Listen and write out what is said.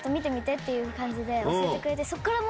って感じで教えてくれて。